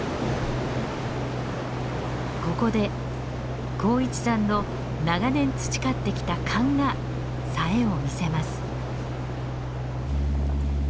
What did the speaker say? ここで幸一さんの長年培ってきた勘がさえを見せます。